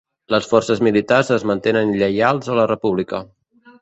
Les forces militars es mantenen lleials a la República.